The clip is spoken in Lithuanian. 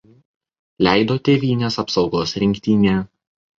Leido Tėvynės apsaugos rinktinė.